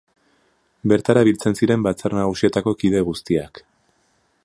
Bertara biltzen ziren Batzar Nagusietako kide guztiak.